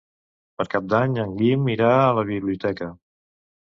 Per Cap d'Any en Guim irà a la biblioteca.